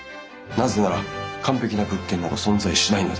なぜなら完璧な物件など存在しないのですから。